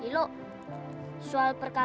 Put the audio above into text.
lima x dua sama dengan